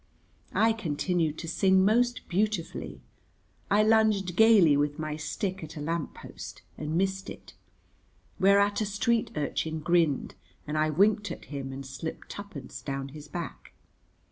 I continued to sing most beautifully. I lunged gayly with my stick at a lamp post and missed it, whereat a street urchin grinned, and I winked at him and slipped twopence down his back.